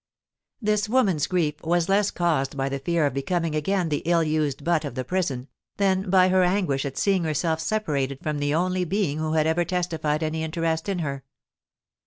This woman's grief was less caused by the fear of becoming again the ill used butt of the prison, than by her anguish at seeing herself separated from the only being who had ever testified any interest in her.